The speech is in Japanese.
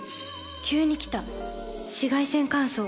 急に来た紫外線乾燥。